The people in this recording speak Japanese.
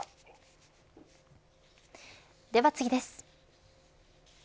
では次です。